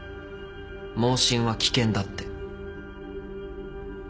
妄信は危険だって。